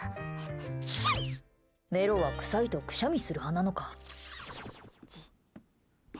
メロはくさいとくしゃみする派なのか。